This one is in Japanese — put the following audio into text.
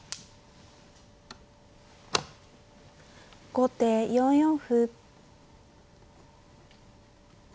後手４四歩。